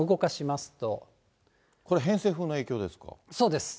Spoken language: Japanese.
これ、そうです。